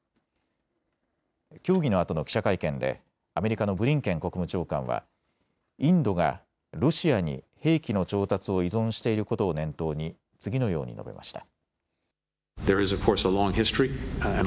協議のあとの記者会見でアメリカのブリンケン国務長官はインドがロシアに兵器の調達を依存していることを念頭に次のように述べました。